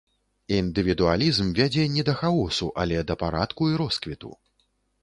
Індывідуалізм вядзе не да хаосу, але да парадку і росквіту.